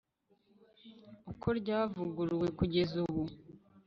uko ryavuguruwe kugeza ubu